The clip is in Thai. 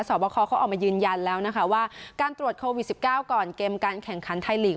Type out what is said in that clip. บคเขาออกมายืนยันแล้วนะคะว่าการตรวจโควิด๑๙ก่อนเกมการแข่งขันไทยลีก